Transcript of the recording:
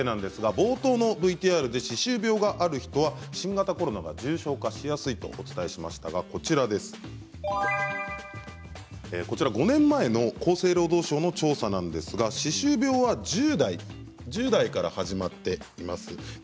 冒頭のＶＴＲで歯周病がある人は新型コロナが重症化しやすいとお伝えしましたがこちらは５年前の厚生労働省の調査なんですが歯周病は１０代から始まっています。